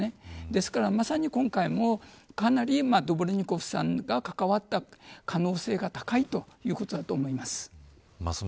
ですから、まさに今回もかなりドゥボルニコフさんが関わった可能性が高いということだと思います。